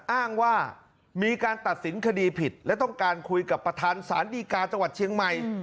อ้างว่ามีการตัดสินคดีผิดและต้องการคุยกับประธานสารดีกาจังหวัดเชียงใหม่